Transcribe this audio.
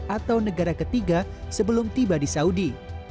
atau negara ketiga sebelum tiba di saudi